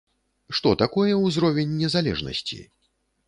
Што такое ўзровень незалежнасці?